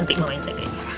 nanti gue main jagainnya